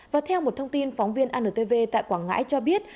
và theo một thông tin phóng viên antv tại quảng ngãi cho biết